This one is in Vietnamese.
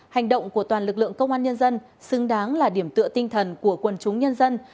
hành động của toàn lực lượng công an nhân dân xứng đáng là điểm tựa tinh thần của quần chúng nhân dân